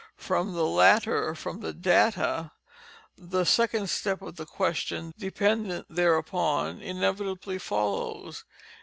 From the latter—from the _data—_the second step of the question, dependent thereupon, inevitably follows.